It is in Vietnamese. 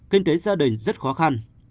kinh tế gia đình rất khó khăn